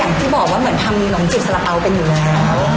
อย่างที่บอกว่าเหมือนทำมีนมจิบสารเป๋ากันอยู่แล้ว